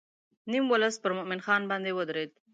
نیم ولس پر مومن خان باندې ودرېد.